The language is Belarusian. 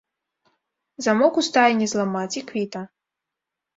Замок у стайні зламаць, і квіта!